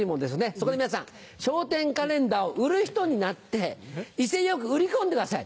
そこで皆さん『笑点』カレンダーを売る人になって威勢よく売り込んでください。